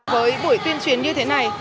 với buổi tuyên truyền như thế này